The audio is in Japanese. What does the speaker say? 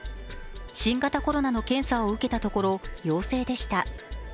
新型コロナの検査を受けたところ、陽性でした。